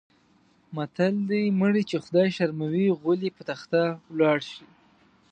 متل دی: مړی چې خدای شرموي غول یې په تخته ولاړ شي.